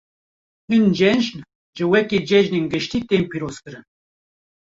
Hin cejn, jî weke cejinên giştî tên pîrozkirin.